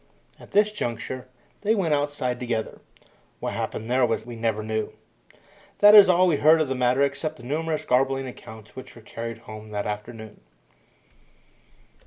At this juncture they went outside together. What happened there we never knew. That is all we heard of the matter except the numerous garbled accounts which were carried home that afternoon.